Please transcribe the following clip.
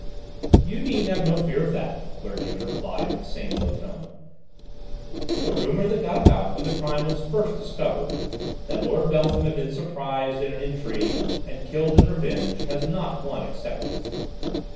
"You need have no fear of that," the clergyman replied in the same low tone. "The rumour that got about when the crime was first discovered, that Lord Beltham had been surprised in an intrigue and killed in revenge, has not won acceptance.